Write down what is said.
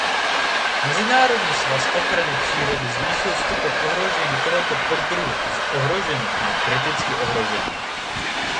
Mezinárodní svaz ochrany přírody zvýšil stupeň ohrožení tohoto poddruhu z ohrožený na kriticky ohrožený.